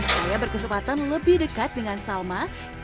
saya berkesempatan lebih dekat dengan salma